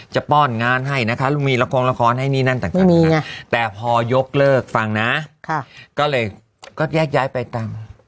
ป้อนงานให้นะคะลุงมีละครละครให้นี่นั่นต่างนี้แต่พอยกเลิกฟังนะก็เลยก็แยกย้ายไปตาม